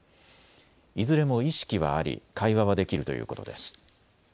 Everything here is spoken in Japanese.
いずれも意識はあり会話はできるということです。